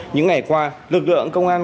những ngày qua lực lượng công an